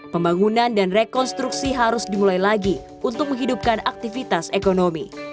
pembangunan dan rekonstruksi harus dimulai lagi untuk menghidupkan aktivitas ekonomi